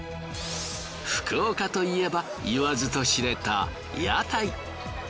福岡といえば言わずとしれた屋台。